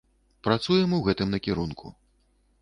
Працуем у гэтым накірунку.